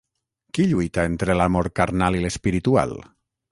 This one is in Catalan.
Qui lluita entre l'amor carnal i l'espiritual?